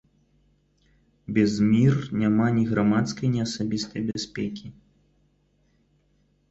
Без мір няма ні грамадскай, ні асабістай бяспекі.